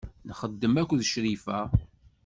Nxeddem akked Crifa.